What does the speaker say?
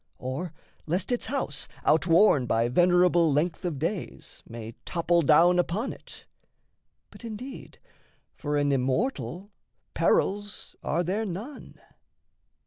Or lest its house, Outworn by venerable length of days, May topple down upon it? But indeed For an immortal perils are there none.